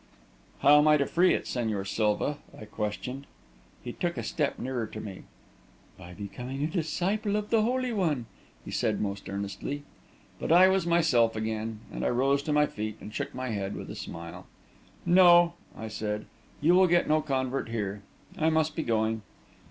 "How am I to free it, Señor Silva?" I questioned. He took a step nearer to me. "By becoming a disciple of the Holy One," he said, most earnestly. But I was myself again, and I rose to my feet and shook my head, with a smile. "No," I said. "You will get no convert here. I must be going."